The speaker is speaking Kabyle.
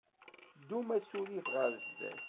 Ddum asurif ɣer sdat.